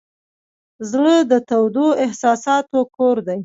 زړه د تودو احساساتو کور دی.